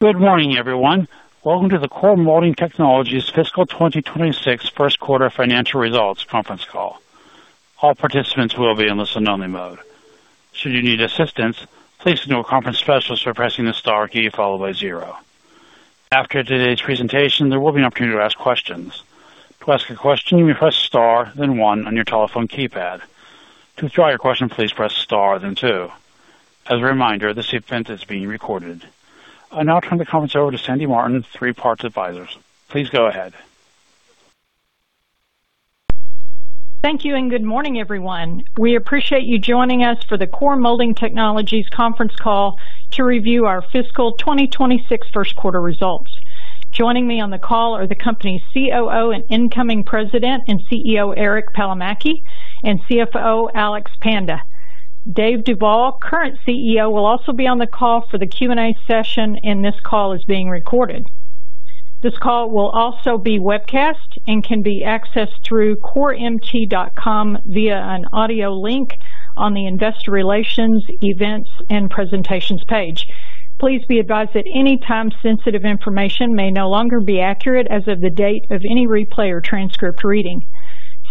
Good morning, everyone. Welcome to the Core Molding Technologies Fiscal 2026 First Quarter Financial Results conference call. All participants will be in listen-only mode. Should you need assistance, please signal a conference specialist by pressing the star key followed by 0. After today's presentation, there will be an opportunity to ask questions. To ask a question, you may press star then 1 on your telephone keypad. To withdraw your question, please press star then 2. As a reminder, this event is being recorded. I'll now turn the conference over to Sandy Martin of Three Part Advisors. Please go ahead. Thank you, and good morning, everyone. We appreciate you joining us for the Core Molding Technologies conference call to review our fiscal 2026 first quarter results. Joining me on the call are the company's COO and incoming President and CEO, Eric Palomaki, and CFO, Alex Panda. Dave Duvall, current CEO, will also be on the call for the Q&A session, and this call is being recorded. This call will also be webcast and can be accessed through coremt.com via an audio link on the Investor Relations Events and Presentations page. Please be advised that any time-sensitive information may no longer be accurate as of the date of any replay or transcript reading.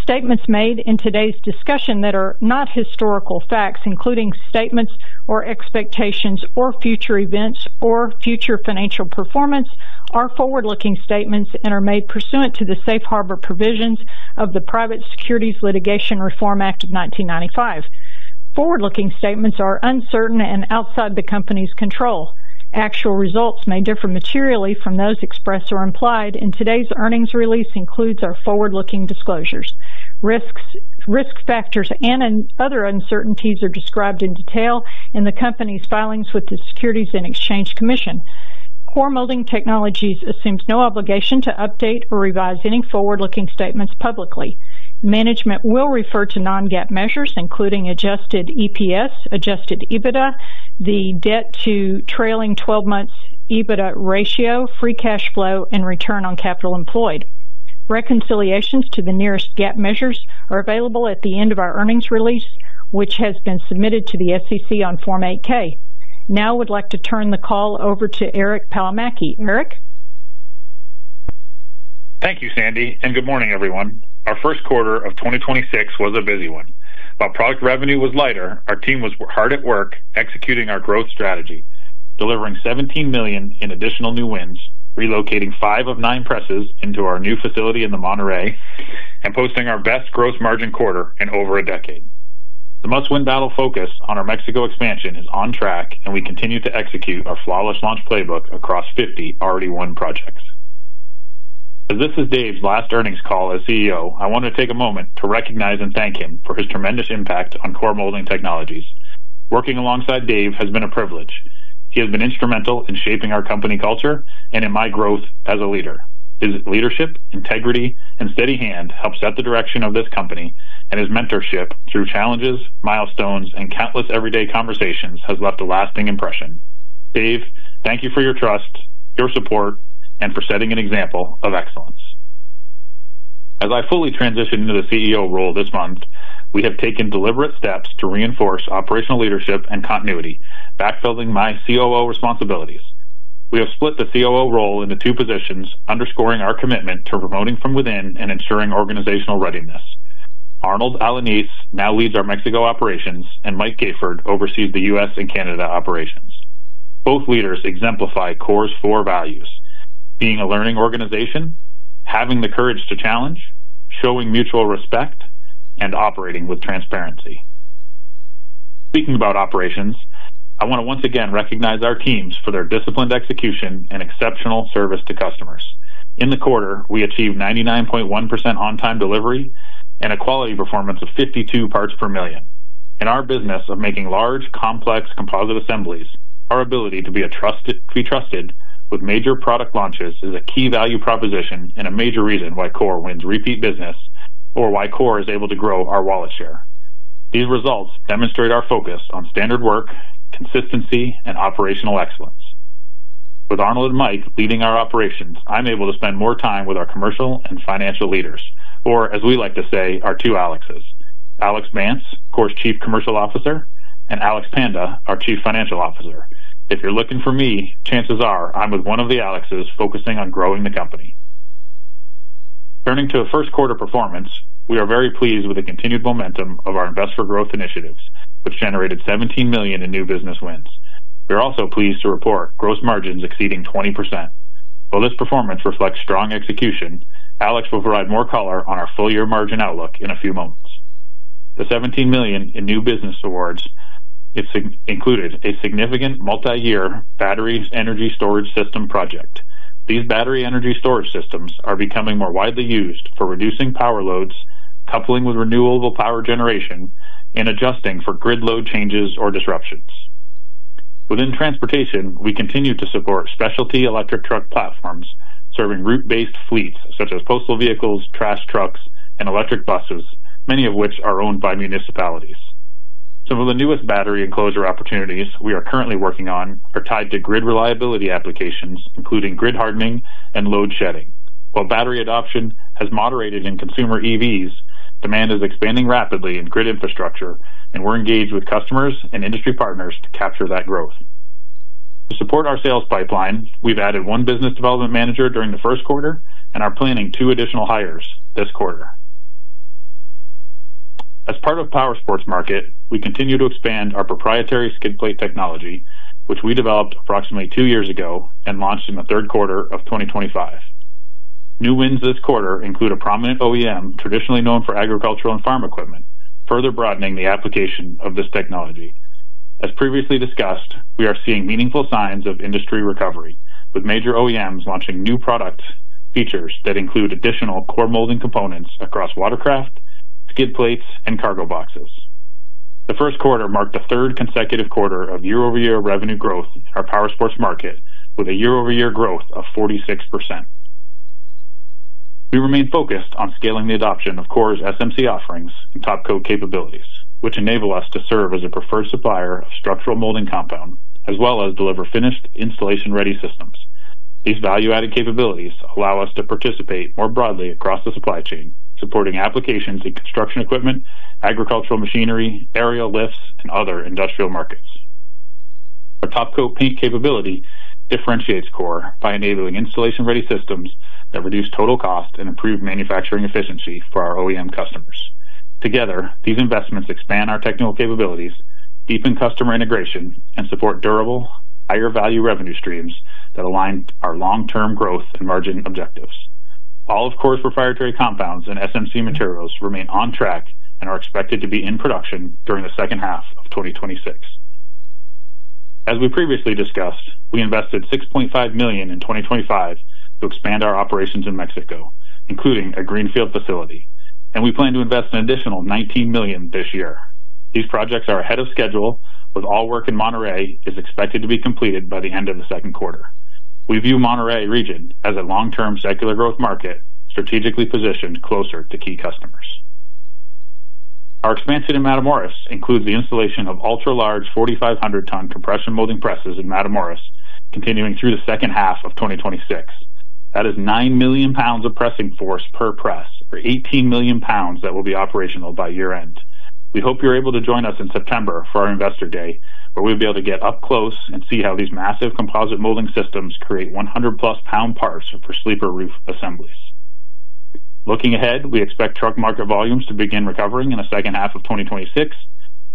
Statements made in today's discussion that are not historical facts, including statements or expectations or future events or future financial performance, are forward-looking statements and are made pursuant to the Safe Harbor provisions of the Private Securities Litigation Reform Act of 1995. Forward-looking statements are uncertain and outside the company's control. Actual results may differ materially from those expressed or implied, and today's earnings release includes our forward-looking disclosures. Risks, risk factors and other uncertainties are described in detail in the company's filings with the Securities and Exchange Commission. Core Molding Technologies assumes no obligation to update or revise any forward-looking statements publicly. Management will refer to non-GAAP measures, including adjusted EPS, adjusted EBITDA, the debt to trailing twelve months EBITDA ratio, free cash flow, and return on capital employed. Reconciliations to the nearest GAAP measures are available at the end of our earnings release, which has been submitted to the SEC on Form 8-K. Now, I would like to turn the call over to Eric L. Palomaki. Eric L.? Thank you, Sandy, and good morning, everyone. Our first quarter of 2026 was a busy one. While product revenue was lighter, our team was hard at work executing our growth strategy, delivering $17 million in additional new wins, relocating five of nine presses into our new facility in Monterrey, and posting our best gross margin quarter in over a decade. The Must Win Battle focus on our Mexico expansion is on track, and we continue to execute our flawless launch playbook across 50 already won projects. As this is Dave's last earnings call as CEO, I want to take a moment to recognize and thank him for his tremendous impact on Core Molding Technologies. Working alongside Dave has been a privilege. He has been instrumental in shaping our company culture and in my growth as a leader. His leadership, integrity, and steady hand helped set the direction of this company, and his mentorship through challenges, milestones, and countless everyday conversations has left a lasting impression. Dave, thank you for your trust, your support, and for setting an example of excellence. As I fully transition into the CEO role this month, we have taken deliberate steps to reinforce operational leadership and continuity, backfilling my COO responsibilities. We have split the COO role into two positions, underscoring our commitment to promoting from within and ensuring organizational readiness. Arnold Alanis now leads our Mexico operations, and Michael Gayford oversees the U.S. and Canada operations. Both leaders exemplify Core's four values: being a learning organization, having the courage to challenge, showing mutual respect, and operating with transparency. Speaking about operations, I wanna once again recognize our teams for their disciplined execution and exceptional service to customers. In the quarter, we achieved 99.1% on-time delivery and a quality performance of 52 parts per million. In our business of making large, complex composite assemblies, our ability to be trusted with major product launches is a key value proposition and a major reason why Core wins repeat business or why Core is able to grow our wallet share. These results demonstrate our focus on standard work, consistency, and operational excellence. With Arnold Alanis and Michael Gayford leading our operations, I'm able to spend more time with our commercial and financial leaders. As we like to say, our two Alexes. Alex Bantz, Core's Chief Commercial Officer, and Alex Panda, our Chief Financial Officer. If you're looking for me, chances are I'm with one of the Alexes focusing on growing the company. Turning to the first quarter performance, we are very pleased with the continued momentum of our Invest for Growth initiatives, which generated $17 million in new business wins. We are also pleased to report gross margins exceeding 20%. While this performance reflects strong execution, Alex will provide more color on our full-year margin outlook in a few moments. The $17 million in new business awards included a significant multi-year battery energy storage system project. These battery energy storage systems are becoming more widely used for reducing power loads, coupling with renewable power generation, and adjusting for grid load changes or disruptions. Within transportation, we continue to support specialty electric truck platforms, serving route-based fleets such as postal vehicles, trash trucks, and electric buses, many of which are owned by municipalities. Some of the newest battery enclosure opportunities we are currently working on are tied to grid reliability applications, including grid hardening and load shedding. While battery adoption has moderated in consumer EVs, demand is expanding rapidly in grid infrastructure, we're engaged with customers and industry partners to capture that growth. To support our sales pipeline, we've added one business development manager during the first quarter and are planning two additional hires this quarter. As part of powersports market, we continue to expand our proprietary skid plate technology, which we developed approximately two years ago and launched in the third quarter of 2025. New wins this quarter include a prominent OEM traditionally known for agricultural and farm equipment, further broadening the application of this technology. As previously discussed, we are seeing meaningful signs of industry recovery, with major OEMs launching new product features that include additional core molding components across watercraft, skid plates, and cargo boxes. The first quarter marked the third consecutive quarter of year-over-year revenue growth in our powersports market, with a year-over-year growth of 46%. We remain focused on scaling the adoption of Core's SMC offerings and topcoat capabilities, which enable us to serve as a preferred supplier of Sheet Molding Compound, as well as deliver finished installation-ready systems. These value-added capabilities allow us to participate more broadly across the supply chain, supporting applications in construction equipment, agricultural machinery, aerial lifts, and other industrial markets. Our topcoat paint capability differentiates Core by enabling installation-ready systems that reduce total cost and improve manufacturing efficiency for our OEM customers. Together, these investments expand our technical capabilities, deepen customer integration, and support durable, higher-value revenue streams that align our long-term growth and margin objectives. All of Core's proprietary compounds and SMC materials remain on track and are expected to be in production during the second half of 2026. As we previously discussed, we invested $6.5 million in 2025 to expand our operations in Mexico, including a greenfield facility, and we plan to invest an additional $19 million this year. These projects are ahead of schedule, with all work in Monterrey is expected to be completed by the end of the second quarter. We view Monterrey region as a long-term secular growth market, strategically positioned closer to key customers. Our expansion in Matamoros includes the installation of ultra-large 4,500 ton compression molding presses in Matamoros, continuing through the second half of 2026. That is 9 million pounds of pressing force per press, or 18 million pounds that will be operational by year-end. We hope you're able to join us in September for our Investor Day, where we'll be able to get up close and see how these massive composite molding systems create 100 plus pound parts for sleeper roof assemblies. Looking ahead, we expect truck market volumes to begin recovering in the second half of 2026,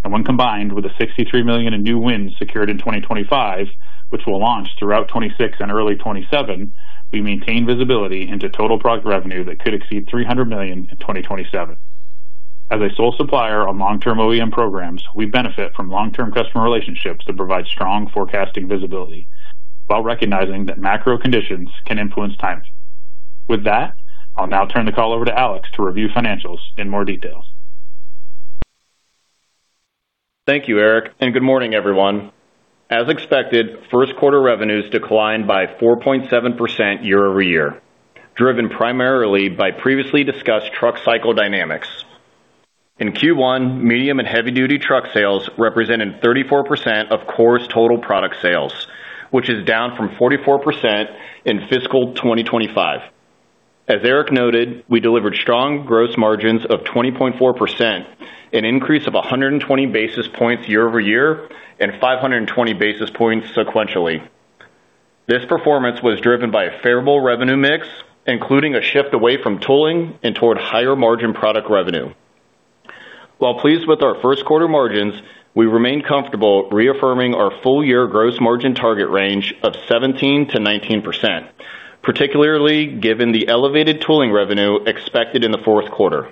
and when combined with the $63 million in new wins secured in 2025, which will launch throughout 2026 and early 2027, we maintain visibility into total product revenue that could exceed $300 million in 2027. As a sole supplier on long-term OEM programs, we benefit from long-term customer relationships that provide strong forecasting visibility while recognizing that macro conditions can influence timing. With that, I'll now turn the call over to Alex to review financials in more detail. Thank you, Eric, and good morning, everyone. As expected, first quarter revenues declined by 4.7% year-over-year, driven primarily by previously discussed truck cycle dynamics. In Q1, medium and heavy-duty truck sales represented 34% of Core's total product sales, which is down from 44% in fiscal 2025. As Eric noted, we delivered strong gross margins of 20.4%, an increase of 120 basis points year-over-year and 520 basis points sequentially. This performance was driven by a favorable revenue mix, including a shift away from tooling and toward higher margin product revenue. While pleased with our first quarter margins, we remain comfortable reaffirming our full year gross margin target range of 17%-19%, particularly given the elevated tooling revenue expected in the fourth quarter.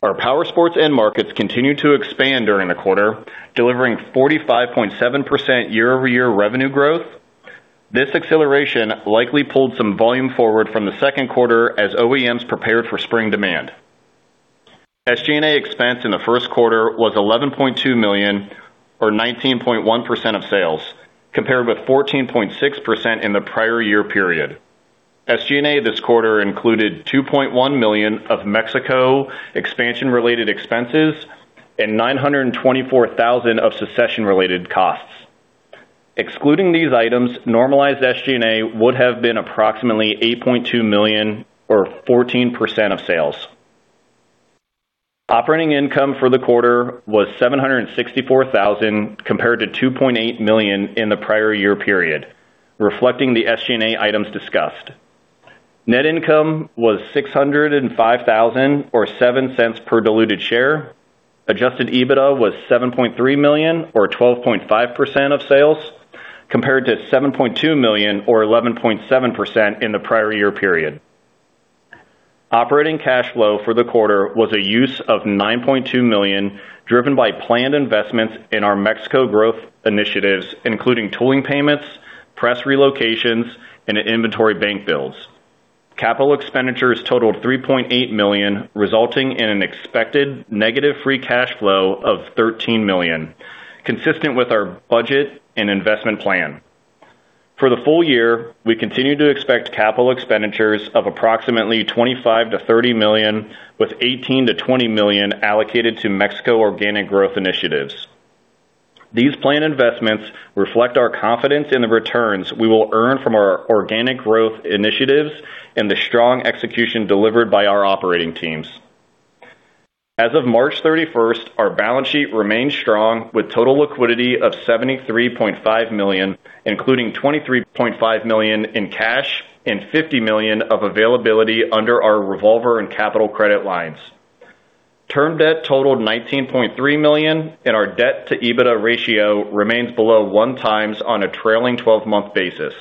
Our powersports end markets continued to expand during the quarter, delivering 45.7% year-over-year revenue growth. This acceleration likely pulled some volume forward from the second quarter as OEMs prepared for spring demand. SG&A expense in the first quarter was $11.2 million or 19.1% of sales, compared with 14.6% in the prior year period. SG&A this quarter included $2.1 million of Mexico expansion related expenses and $924,000 of succession related costs. Excluding these items, normalized SG&A would have been approximately $8.2 million or 14% of sales. Operating income for the quarter was $764,000 compared to $2.8 million in the prior year period, reflecting the SG&A items discussed. Net income was $605,000 or $0.07 per diluted share. Adjusted EBITDA was $7.3 million or 12.5% of sales, compared to $7.2 million or 11.7% in the prior year period. Operating cash flow for the quarter was a use of $9.2 million, driven by planned investments in our Mexico growth initiatives, including tooling payments, press relocations, and inventory bank bills. Capital expenditures totaled $3.8 million, resulting in an expected negative free cash flow of $13 million, consistent with our budget and investment plan. For the full year, we continue to expect capital expenditures of approximately $25 million-$30 million, with $18 million-$20 million allocated to Mexico organic growth initiatives. These planned investments reflect our confidence in the returns we will earn from our organic growth initiatives and the strong execution delivered by our operating teams. As of March 31st, our balance sheet remains strong, with total liquidity of $73.5 million, including $23.5 million in cash and $50 million of availability under our revolver and capital credit lines. Term debt totaled $19.3 million, and our debt-to-EBITDA ratio remains below 1x on a trailing twelve-month basis.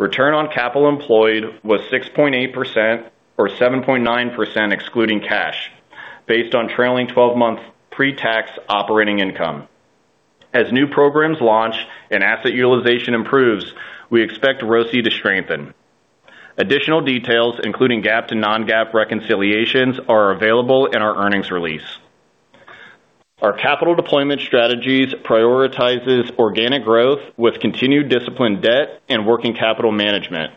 Return on capital employed was 6.8% or 7.9%, excluding cash, based on trailing twelve-month pre-tax operating income. As new programs launch and asset utilization improves, we expect ROCE to strengthen. Additional details, including GAAP to non-GAAP reconciliations, are available in our earnings release. Our capital deployment strategies prioritizes organic growth with continued disciplined debt and working capital management.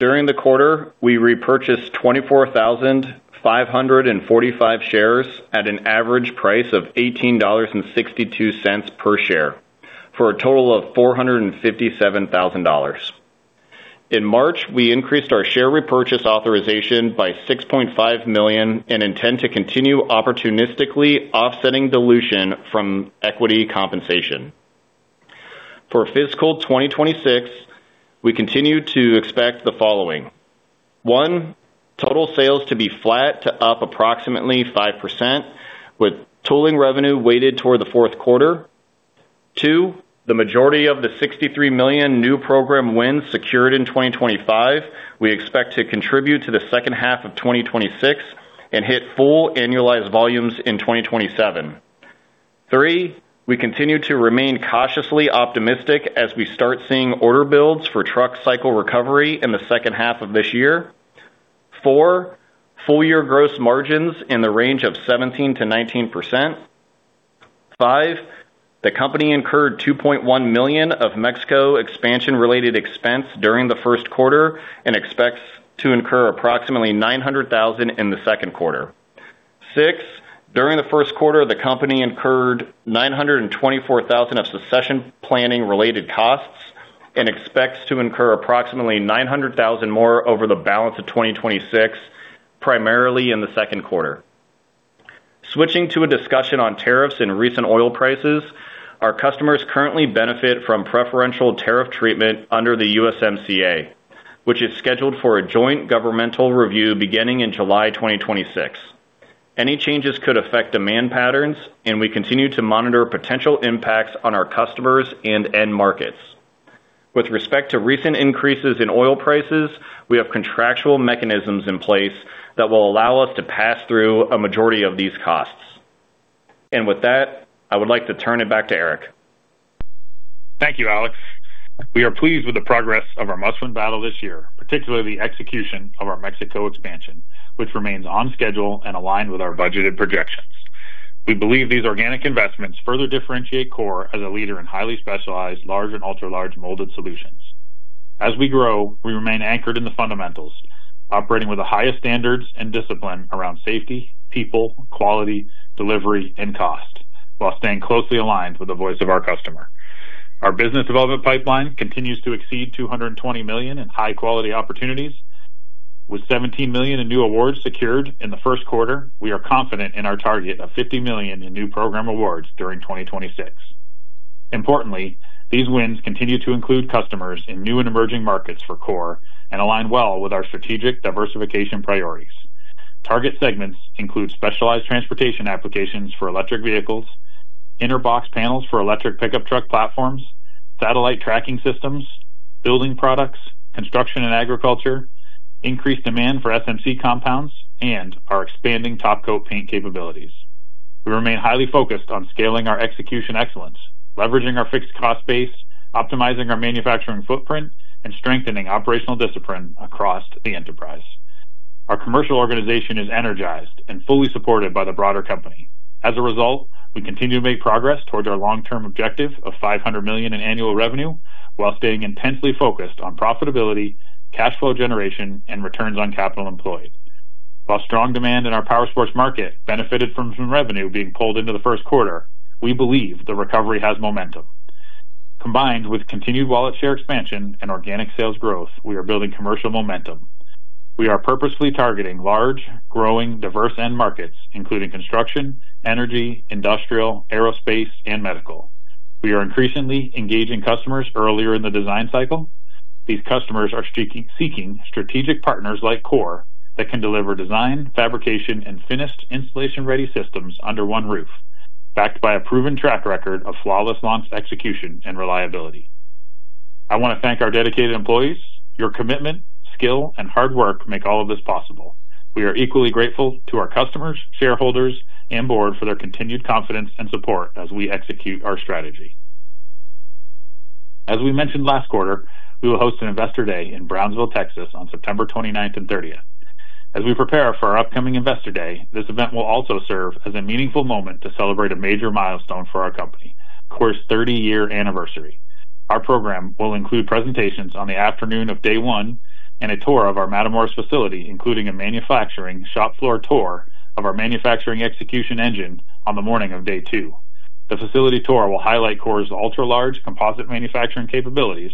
During the quarter, we repurchased 24,545 shares at an average price of $18.62 per share for a total of $457,000. In March, we increased our share repurchase authorization by $6.5 million and intend to continue opportunistically offsetting dilution from equity compensation. For fiscal 2026, we continue to expect the following: one. Total sales to be flat to up approximately 5%, with tooling revenue weighted toward the Q4 ,two. The majority of the $63 million new program wins secured in 2025 we expect to contribute to the second half of 2026 and hit full annualized volumes in 2027. three. We continue to remain cautiously optimistic as we start seeing order builds for truck cycle recovery in the second half of this year. four, full year gross margins in the range of 17%-19%. five, the company incurred $2.1 million of Mexico expansion-related expense during the first quarter and expects to incur approximately $900,000 in the second quarter. six, during the first quarter, the company incurred $924,000 of succession planning related costs and expects to incur approximately $900,000 more over the balance of 2026, primarily in the second quarter. Switching to a discussion on tariffs and recent oil prices, our customers currently benefit from preferential tariff treatment under the USMCA, which is scheduled for a joint governmental review beginning in July 2026. Any changes could affect demand patterns, and we continue to monitor potential impacts on our customers and end markets. With respect to recent increases in oil prices, we have contractual mechanisms in place that will allow us to pass through a majority of these costs. With that, I would like to turn it back to Eric. Thank you, Alex. We are pleased with the progress of our Must Win Battle this year, particularly the execution of our Mexico expansion, which remains on schedule and aligned with our budgeted projections. We believe these organic investments further differentiate Core as a leader in highly specialized, large and ultra-large molded solutions. As we grow, we remain anchored in the fundamentals, operating with the highest standards and discipline around safety, people, quality, delivery, and cost, while staying closely aligned with the voice of our customer. Our business development pipeline continues to exceed $220 million in high-quality opportunities. With $17 million in new awards secured in the first quarter, we are confident in our target of $50 million in new program awards during 2026. Importantly, these wins continue to include customers in new and emerging markets for Core and align well with our strategic diversification priorities. Target segments include specialized transportation applications for electric vehicles, inner box panels for electric pickup truck platforms, satellite tracking systems, building products, construction and agriculture, increased demand for SMC compounds, and our expanding top coat paint capabilities. We remain highly focused on scaling our execution excellence, leveraging our fixed cost base, optimizing our manufacturing footprint, and strengthening operational discipline across the enterprise. Our commercial organization is energized and fully supported by the broader company. As a result, we continue to make progress towards our long-term objective of $500 million in annual revenue while staying intensely focused on profitability, cash flow generation, and returns on capital employed. While strong demand in our powersports market benefited from some revenue being pulled into the first quarter, we believe the recovery has momentum. Combined with continued wallet share expansion and organic sales growth, we are building commercial momentum. We are purposefully targeting large, growing, diverse end markets, including construction, energy, industrial, aerospace, and medical. We are increasingly engaging customers earlier in the design cycle. These customers are seeking strategic partners like Core that can deliver design, fabrication, and finished installation-ready systems under one roof, backed by a proven track record of flawless launch execution and reliability. I wanna thank our dedicated employees. Your commitment, skill, and hard work make all of this possible. We are equally grateful to our customers, shareholders, and board for their continued confidence and support as we execute our strategy. As we mentioned last quarter, we will host an Investor Day in Brownsville, Texas on September twenty-ninth and thirtieth. As we prepare for our upcoming Investor Day, this event will also serve as a meaningful moment to celebrate a major milestone for our company. Core's 30-year anniversary. Our program will include presentations on the afternoon of day one and a tour of our Matamoros facility, including a manufacturing shop floor tour of our manufacturing execution engine on the morning of day two. The facility tour will highlight Core's ultra-large composite manufacturing capabilities,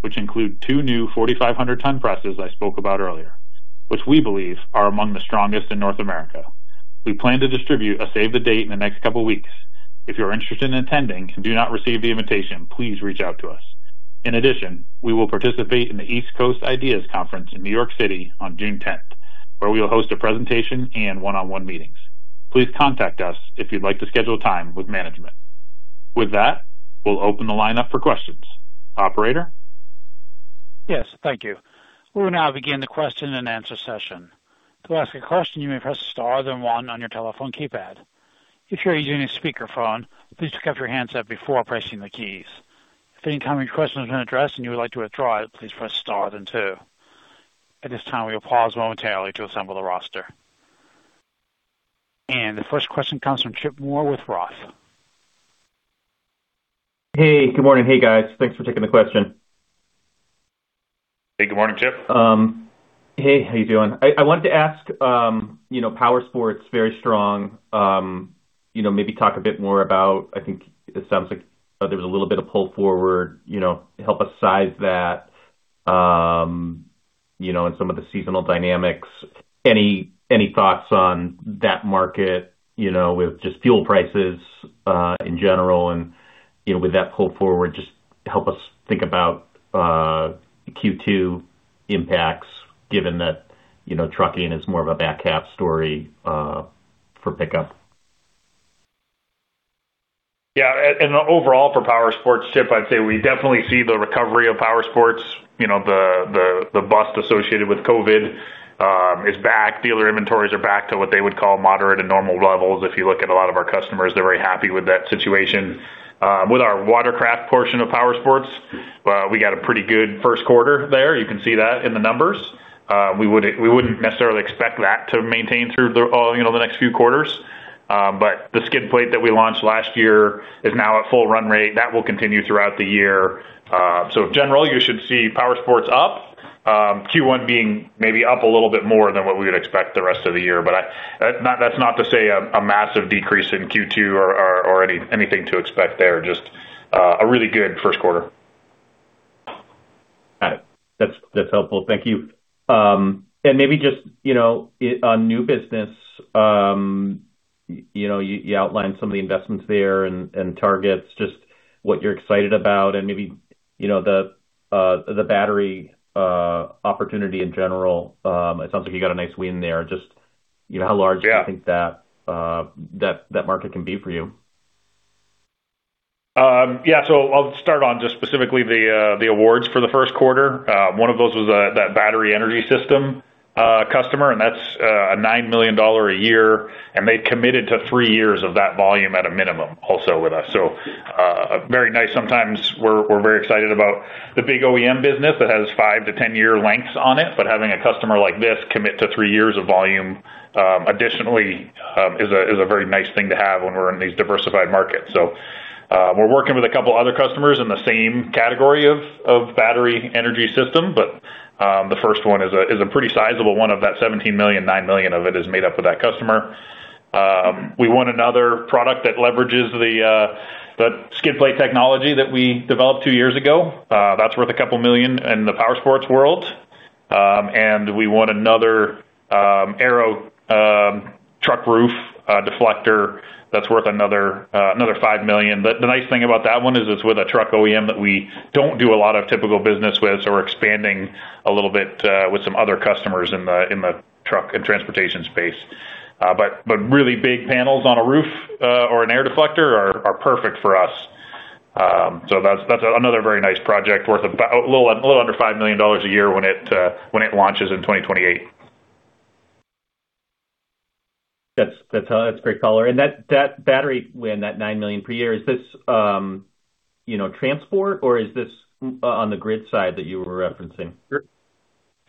which include two new 4,500 ton presses I spoke about earlier, which we believe are among the strongest in North America. We plan to distribute a save the date in the next couple weeks. If you're interested in attending and do not receive the invitation, please reach out to us. We will participate in the East Coast IDEAS Conference in New York City on June tenth, where we will host a presentation and one-on-one meetings. Please contact us if you'd like to schedule time with management. With that, we'll open the line up for questions. Operator? Yes, thank you. We will now begin the question and answer session. To ask a question, you may press star then one on your telephone keypad. If you're using a speakerphone, please pick up your handset before pressing the keys. If any time your question has been addressed and you would like to withdraw it, please press star then two. At this time, we will pause momentarily to assemble the roster. The first question comes from Chip Moore with ROTH. Hey, good morning. Hey, guys. Thanks for taking the question. Hey, good morning, Chip. Hey, how you doing? I wanted to ask, you know, powersports very strong, you know, maybe talk a bit more about I think it sounds like there was a little bit of pull forward, you know, help us size that, you know, and some of the seasonal dynamics. Any thoughts on that market, you know, with just fuel prices, in general and, you know, with that pull forward, just help us think about Q2 impacts, given that, you know, trucking is more of a back half story for pickup. Overall for powersports, Chip, I'd say we definitely see the recovery of powersports. You know, the bust associated with COVID is back. Dealer inventories are back to what they would call moderate and normal levels. If you look at a lot of our customers, they're very happy with that situation. With our watercraft portion of powersports, we got a pretty good first quarter there. You can see that in the numbers. We wouldn't necessarily expect that to maintain through the, you know, the next few quarters. The skid plate that we launched last year is now at full run rate. That will continue throughout the year. In general, you should see powersports up. Q1 being maybe up a little bit more than what we would expect the rest of the year. That's not to say a massive decrease in Q2 or anything to expect there. Just a really good first quarter. Got it. That's helpful. Thank you. And maybe just, you know, on new business, you know, you outlined some of the investments there and targets, just what you're excited about and maybe, you know, the battery opportunity in general. It sounds like you got a nice win there. Just, you know, how large? Yeah Do you think that market can be for you? I'll start on just specifically the awards for the first quarter. One of those was that battery energy system customer, and that's a $9 million a year, and they committed to three years of that volume at a minimum also with us. Very nice. Sometimes we're very excited about the big OEM business that has 5-10 year lengths on it, but having a customer like this commit to three years of volume additionally is a very nice thing to have when we're in these diversified markets. We're working with a couple other customers in the same category of battery energy system, but the 1st one is a pretty sizable one. Of that $17 million, $9 million of it is made up of that customer. We won another product that leverages the skid plate technology that we developed two years ago. That's worth a couple million in the powersports world. We won another aero truck roof deflector that's worth another $5 million. The nice thing about that one is it's with a truck OEM that we don't do a lot of typical business with, so we're expanding a little bit with some other customers in the truck and transportation space. Really big panels on a roof or an air deflector are perfect for us. That's another very nice project worth about a little under $5 million a year when it launches in 2028. That's great color. That battery win, that $9 million per year, is this, you know, transport or is this on the grid side that you were referencing?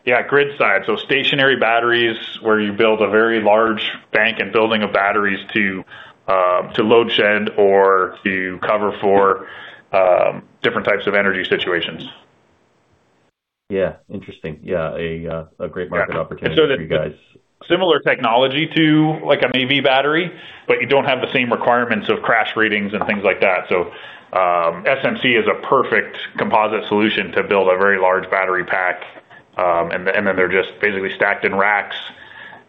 Yeah, grid side. Stationary batteries where you build a very large bank and building of batteries to load shed or to cover for, different types of energy situations. Interesting. A great market opportunity for you guys. Similar technology to like an EV battery, but you don't have the same requirements of crash ratings and things like that. SMC is a perfect composite solution to build a very large battery pack. And then they're just basically stacked in racks,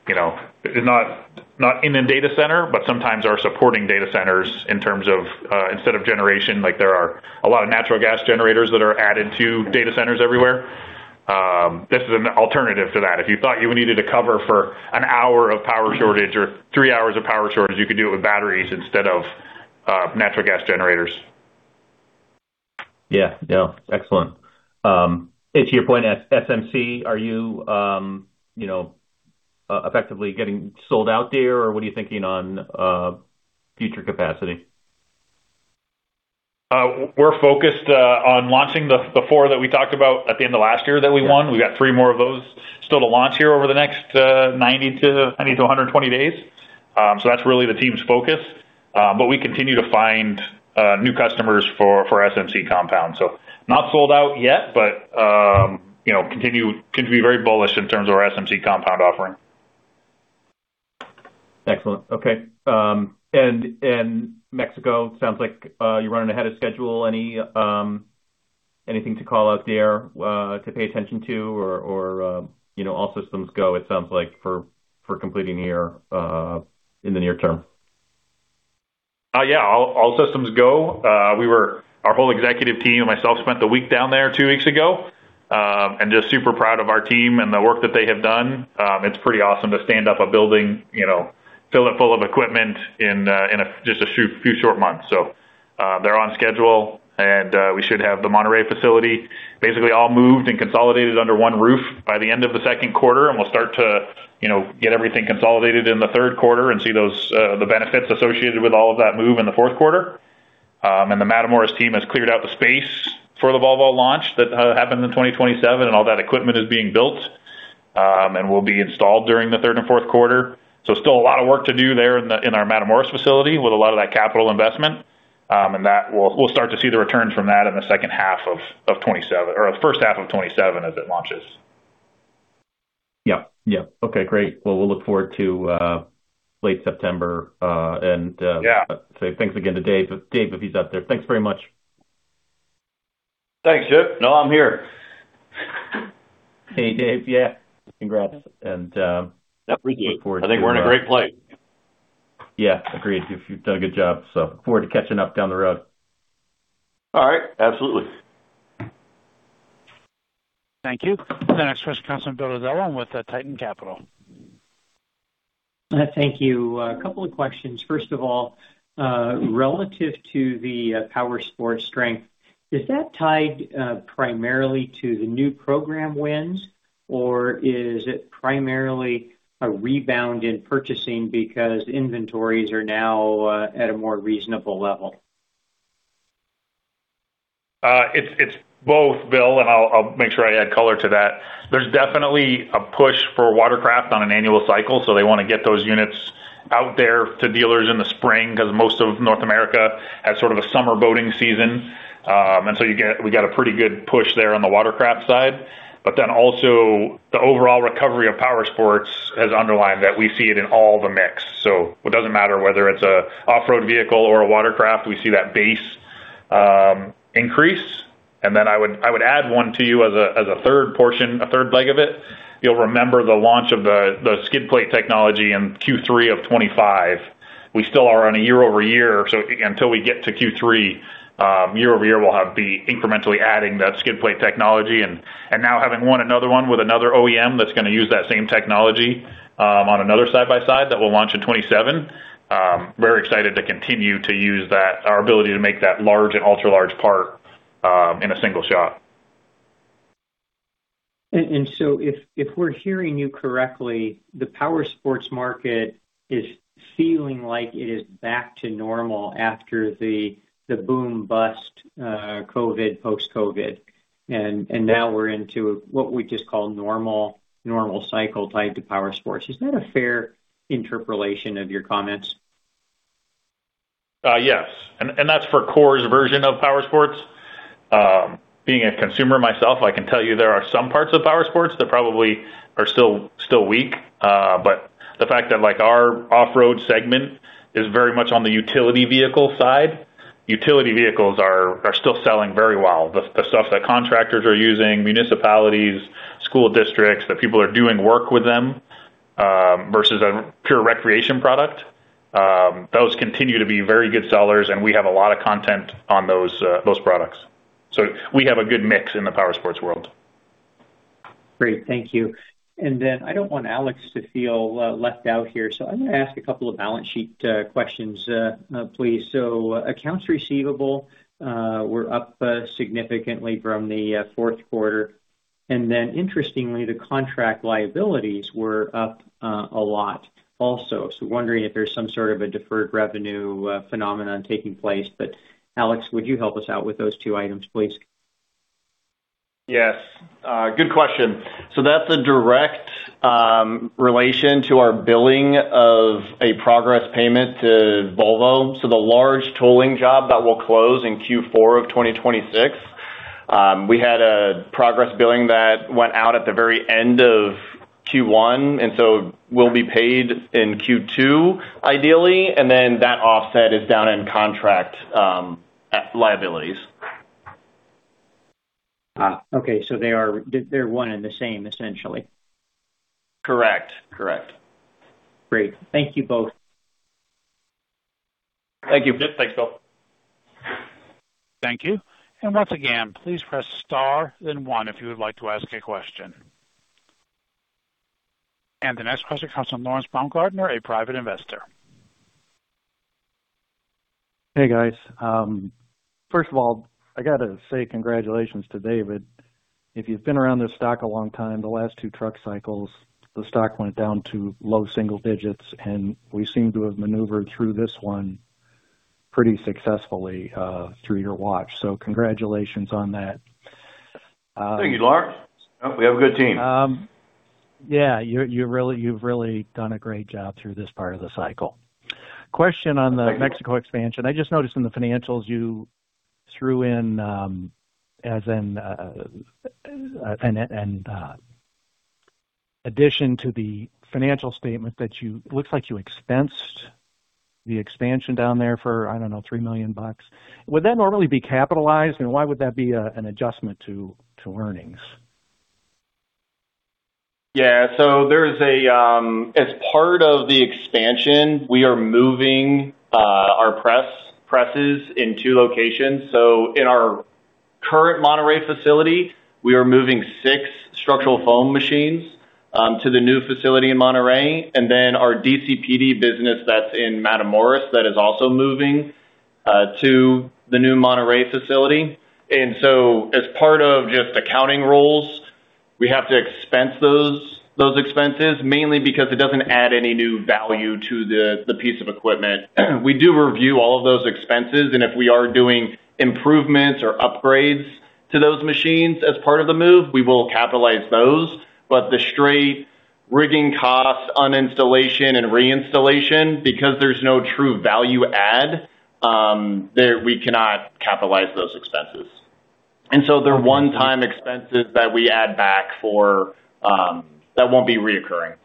you know. Not in a data center, but sometimes are supporting data centers in terms of instead of generation, like there are a lot of natural gas generators that are added to data centers everywhere. This is an alternative to that. If you thought you needed to cover for an hour of power shortage or three hours of power shortage, you could do it with batteries instead of natural gas generators. Yeah. No, excellent. To your point, SMC, are you know, effectively getting sold out there, or what are you thinking on future capacity? We're focused on launching the four that we talked about at the end of last year that we won. We got three more of those still to launch here over the next 90-120 days. That's really the team's focus. We continue to find new customers for SMC compound. Not sold out yet, but, you know, continue to be very bullish in terms of our SMC compound offering. Excellent. Okay. Mexico sounds like you're running ahead of schedule. Anything to call out there to pay attention to or, you know, all systems go, it sounds like, for completing the year in the near term? Yeah, all systems go. Our whole executive team and myself spent the week down there two weeks ago, and just super proud of our team and the work that they have done. It's pretty awesome to stand up a building, you know, fill it full of equipment in a just a few short months. They're on schedule and we should have the Monterrey facility basically all moved and consolidated under one roof by the end of the second quarter. We'll start to, you know, get everything consolidated in the third quarter and see those the benefits associated with all of that move in the fourth quarter. And the Matamoros team has cleared out the space for the Volvo launch that happens in 2027, and all that equipment is being built and will be installed during the third and fourth quarter. Still a lot of work to do there in our Matamoros facility with a lot of that capital investment, and that we'll start to see the returns from that in the second half of 2027 or the first half of 2027 as it launches. Yeah. Yeah. Okay, great. We'll look forward to late September. Yeah Say thanks again to Dave. Dave, if he's out there, thanks very much. Thanks, Chip. No, I'm here. Hey, Dave. Yeah. Congrats. Appreciate it. look forward to I think we're in a great place. Yeah, agreed. You've done a good job, look forward to catching up down the road. All right. Absolutely. Thank you. The next question comes from Bill Dezellem with Tieton Capital. Thank you. A couple of questions. First of all, relative to the powersport strength, is that tied primarily to the new program wins, or is it primarily a rebound in purchasing because inventories are now at a more reasonable level? It's both, Bill, and I'll make sure I add color to that. There's definitely a push for watercraft on an annual cycle, so they wanna get those units out there to dealers in the spring 'cause most of North America has sort of a summer boating season. We got a pretty good push there on the watercraft side. Also, the overall recovery of powersports has underlined that we see it in all the mix. It doesn't matter whether it's a off-road vehicle or a watercraft, we see that base increase. I would add one to you as a third portion, a third leg of it. You'll remember the launch of the skid plate technology in Q3 of 2025. We still are on a year-over-year, so until we get to Q3, year-over-year, we'll be incrementally adding that skid plate technology and now having won another one with another OEM that's gonna use that same technology on another side-by-side that we'll launch in 2027. Very excited to continue to use that, our ability to make that large and ultra large part in a single shot. If we're hearing you correctly, the powersports market is feeling like it is back to normal after the boom bust COVID, post-COVID. Now we're into what we just call normal cycle tied to powersports. Is that a fair interpolation of your comments? Yes. That's for Core's version of powersports. Being a consumer myself, I can tell you there are some parts of powersports that probably are still weak. But the fact that our off-road segment is very much on the utility vehicle side. Utility vehicles are still selling very well. The stuff that contractors are using, municipalities, school districts, the people are doing work with them, versus a pure recreation product. Those continue to be very good sellers, and we have a lot of content on those products. We have a good mix in the powersports world. Great. Thank you. Then I don't want Alex to feel left out here, so I'm going to ask a couple of balance sheet questions, please. Accounts receivable were up significantly from the fourth quarter, then interestingly, the contract liabilities were up a lot also. Wondering if there's some sort of a deferred revenue phenomenon taking place. Alex, would you help us out with those two items, please? Yes. Good question. That's a direct relation to our billing of a progress payment to Volvo. The large tooling job that will close in Q4 of 2026, we had a progress billing that went out at the very end of Q1, will be paid in Q2, ideally, that offset is down in contract liabilities. Okay. They're one and the same, essentially. Correct. Correct. Great. Thank you both. Thank you. Thanks, Bill. Thank you. Once again, please press star then 1 if you would like to ask a question. The next question comes from [Lawrence Baumgartner], a private investor. Hey, guys. First of all, I gotta say congratulations to David. If you've been around this stock a long time, the last two truck cycles, the stock went down to low single digits, and we seem to have maneuvered through this one pretty successfully through your watch. Congratulations on that. Thank you, Lawrence. We have a good team. Yeah, you've really done a great job through this part of the cycle. Question on the Mexico expansion. I just noticed in the financials you threw in, as an addition to the financial statement that Looks like you expensed the expansion down there for, I don't know, $3 million. Would that normally be capitalized? Why would that be an adjustment to earnings? Yeah. There's a As part of the expansion, we are moving our presses in two locations. In our current Monterrey facility, we are moving six structural foam machines to the new facility in Monterrey, and then our DCPD business that's in Matamoros, that is also moving to the new Monterrey facility. As part of just accounting rules, we have to expense those expenses, mainly because it doesn't add any new value to the piece of equipment. We do review all of those expenses, and if we are doing improvements or upgrades to those machines as part of the move, we will capitalize those. The straight rigging costs on installation and reinstallation, because there's no true value add there, we cannot capitalize those expenses. They're one-time expenses that we add back for that won't be reoccurring.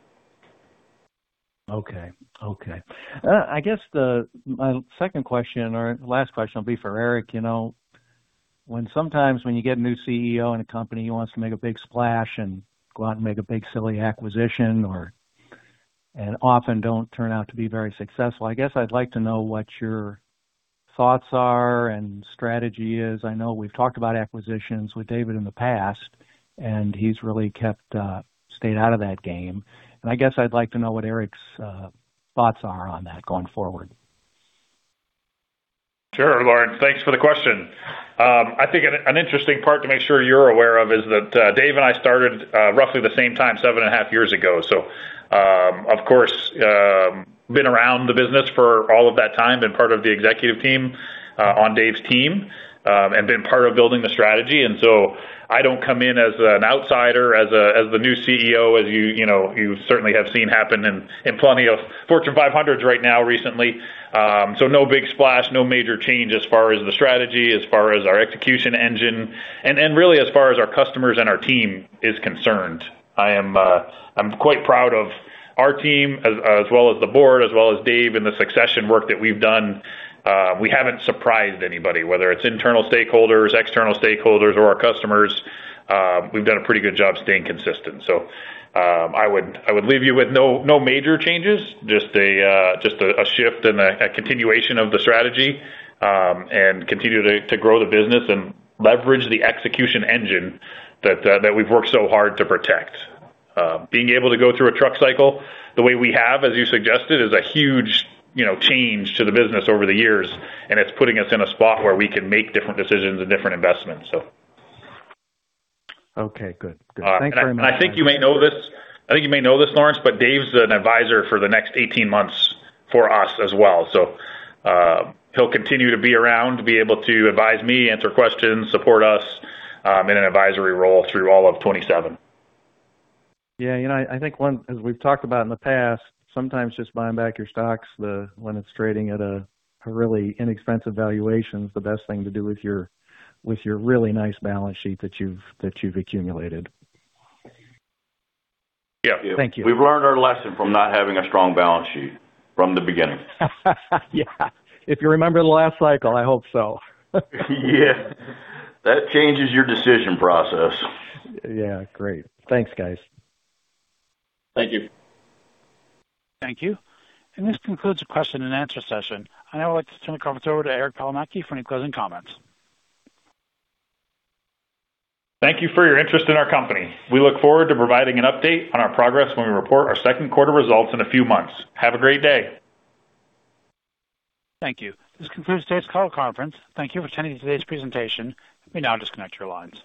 Okay. Okay. I guess my second question or last question will be for Eric. You know, when sometimes when you get a new CEO in a company who wants to make a big splash and go out and make a big silly acquisition or often don't turn out to be very successful. I guess I'd like to know what your thoughts are and strategy is. I know we've talked about acquisitions with David in the past, and he's really kept stayed out of that game. I guess I'd like to know what Eric's thoughts are on that going forward. Sure, Lawrence. Thanks for the question. I think an interesting part to make sure you're aware of is that Dave and I started roughly the same time, 7.5 years ago. Of course, been around the business for all of that time, been part of the executive team on Dave's team, and been part of building the strategy. I don't come in as an outsider, as the new CEO, as you know, you certainly have seen happen in plenty of Fortune 500s right now recently. No big splash, no major change as far as the strategy, as far as our execution engine. Really as far as our customers and our team is concerned. I am, I'm quite proud of our team as well as the board, as well as David L. Duvall and the succession work that we've done. We haven't surprised anybody, whether it's internal stakeholders, external stakeholders or our customers. We've done a pretty good job staying consistent. I would leave you with no major changes, just a shift and a continuation of the strategy and continue to grow the business and leverage the execution engine that we've worked so hard to protect. Being able to go through a truck cycle the way we have, as you suggested, is a huge, you know, change to the business over the years, and it's putting us in a spot where we can make different decisions and different investments, so. Okay, good. Good. Thank you very much. I think you may know this. I think you may know this, Lawrence, but Dave's an advisor for the next 18 months for us as well. He'll continue to be around to be able to advise me, answer questions, support us, in an advisory role through all of 2027. Yeah. You know, I think one as we've talked about in the past, sometimes just buying back your stocks when it's trading at a really inexpensive valuation is the best thing to do with your, with your really nice balance sheet that you've, that you've accumulated. Yeah. Thank you. We've learned our lesson from not having a strong balance sheet from the beginning. Yeah. If you remember the last cycle, I hope so. Yeah. That changes your decision process. Yeah. Great. Thanks, guys. Thank you. Thank you. This concludes the question and answer session. I now would like to turn the conference over to Eric Palomaki for any closing comments. Thank you for your interest in our company. We look forward to providing an update on our progress when we report our second quarter results in a few months. Have a great day. Thank you. This concludes today's call conference. Thank you for attending today's presentation. You may now disconnect your lines.